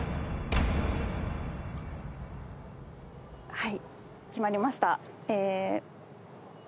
はい決まりました。